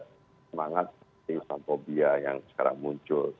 semangat islamopia yang sekarang muncul